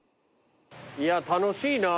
いや楽しいな。